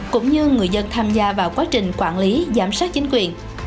cũng như người dân tham gia vào quá trình quản lý giám sát chính quyền